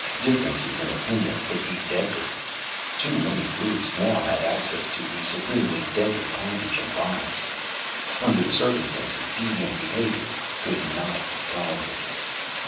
Differences in opinion could be deadly; too many groups now had access to the supremely deadly hydrogen bombs. Under the circumstances, deviant behavior could not be tolerated.